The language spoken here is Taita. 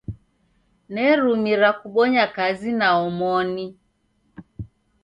Nerumira kubonya kazi na omoni.